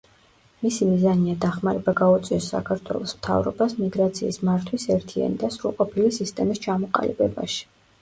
მისი მიზანია დახმარება გაუწიოს საქართველოს მთავრობას მიგრაციის მართვის ერთიანი და სრულყოფილი სისტემის ჩამოყალიბებაში.